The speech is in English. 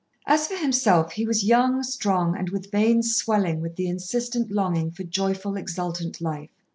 As for himself he was young, strong, and with veins swelling with the insistent longing for joyful, exultant life.